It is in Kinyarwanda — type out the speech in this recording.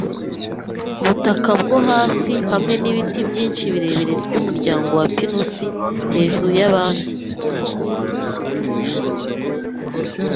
butaka bwo hasi, hamwe nibiti byinshi birebire byumuryango wa pinusi, hejuru yabandi -